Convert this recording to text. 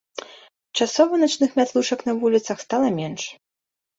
Часова начных мятлушак на вуліцах стала менш.